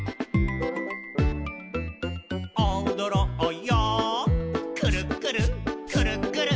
「おどろうよくるっくるくるっくる」